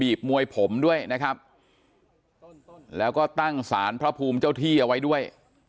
มวยผมด้วยนะครับแล้วก็ตั้งสารพระภูมิเจ้าที่เอาไว้ด้วย